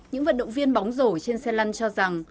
những vận động viên bóng rổ trên xe lăn cho rằng